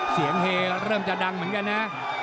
เฮเริ่มจะดังเหมือนกันนะ